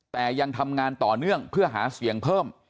แต่ยังทำงานต่อเนื่องเพื่อหาเสียงเพิ่ม